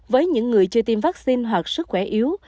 với những người chưa tiêm vaccine hoặc sức khỏe yếu